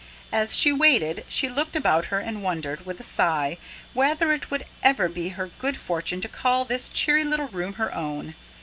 As she waited, she looked about her and wondered, with a sigh, whether it would ever be her good fortune to call this cheery little room her own.